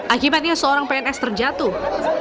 akibatnya seorang pns terjatuh